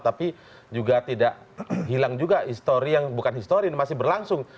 tapi juga tidak hilang juga histori yang bukan histori ini masih berlangsung